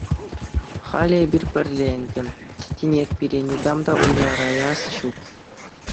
Халӗ эпир пӗрле ӗнтӗ, тинех пире никам та уйӑраяс ҫук.